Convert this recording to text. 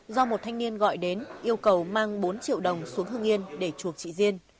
do một thanh niên gọi đến yêu cầu mang bốn triệu đồng xuống hương yên để chuộc chị diên